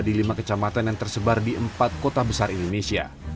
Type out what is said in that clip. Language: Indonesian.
di lima kecamatan yang tersebar di empat kota besar indonesia